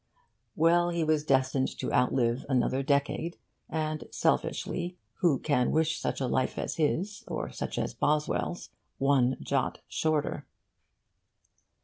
Well, he was destined to outlive another decade; and, selfishly, who can wish such a life as his, or such a Life as Boswell's, one jot shorter?